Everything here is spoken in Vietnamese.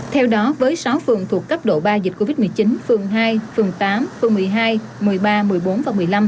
theo đó với sáu phường thuộc cấp độ ba dịch covid một mươi chín phường hai phường tám phường một mươi hai một mươi ba một mươi bốn và một mươi năm